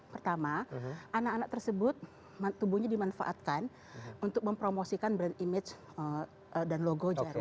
pertama anak anak tersebut tubuhnya dimanfaatkan untuk mempromosikan brand image dan logo jaringan